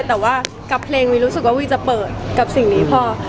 แต่ว่ากับเพลงวีรู้สึกว่าวีจะเปิดกับสิ่งนี้พอ